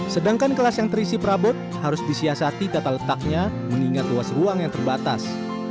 sedangkan kelas yang terisi perabot harus disiasati tata letaknya mengingat luas ruang yang terbatas